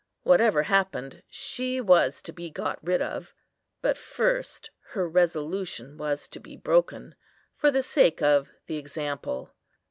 Whatever happened, she was to be got rid of; but first her resolution was to be broken, for the sake of the example.